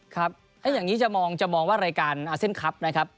ครับอย่างนี้จะมองว่ารายการอาเซียนคลับนะครับ